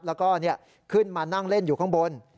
แล้วก็ขึ้นมานั่งเล่นอยู่ข้างบน